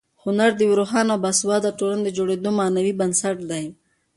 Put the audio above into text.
هنر د یوې روښانه او باسواده ټولنې د جوړېدو معنوي بنسټ دی.